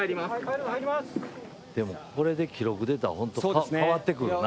・でもこれで記録出たらほんと変わってくるな。